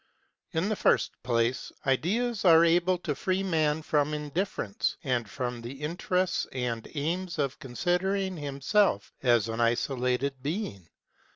In the first place, ideas are able to free man from indifference and from the interests and aims of considering himself as an isolated being.